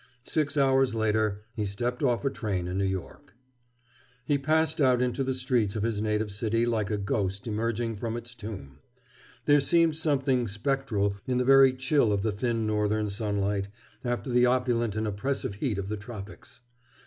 Six hours later he stepped off a train in New York. He passed out into the streets of his native city like a ghost emerging from its tomb. There seemed something spectral in the very chill of the thin northern sunlight, after the opulent and oppressive heat of the tropics.